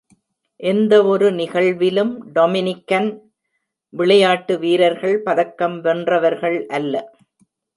எந்தவொரு நிகழ்விலும் டொமினிகன் விளையாட்டு வீரர்கள் பதக்கம் வென்றவர்கள் அல்ல.